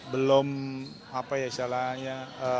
belum apa ya istilahnya